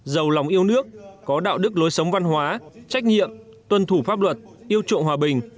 giàu lòng yêu nước có đạo đức lối sống văn hóa trách nhiệm tuân thủ pháp luật yêu chuộng hòa bình